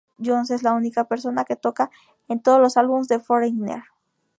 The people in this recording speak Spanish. Jones es la única persona que toca en todos los álbumes de Foreigner.